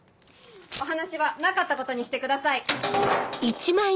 お話はなかったことにしてください。